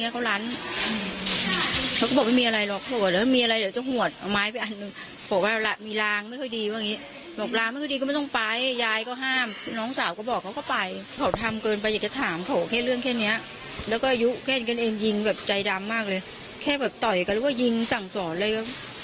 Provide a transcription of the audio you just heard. ก็ไม่คิดว่าจะถึงขั้นมากก็ไม่คิดว่าจะถึงขั้นมากก็ไม่คิดว่าจะถึงขั้นมาก